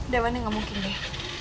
dewanya gak mungkin deh